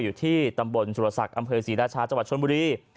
อยู่ที่ตำบลสุรศักดิ์อำเภอศรีราชาจังหวัดชนบุรี